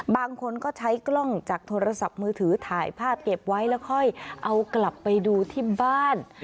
บางคนก็ใช้กล้องจากโทรศัพท์มือถือถ่ายภาพเก็บไว้แล้วค่อยเอากลับไปดูที่บ้าน